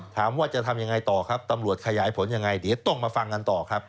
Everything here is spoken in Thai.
ถามว่าจะทำยังไงต่อครับตำรวจขยายผลยังไงเดี๋ยวต้องมาฟังกันต่อครับ